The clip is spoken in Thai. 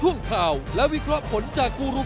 จะเก้าให้ไกลต้องเก้าด้วยกันครับ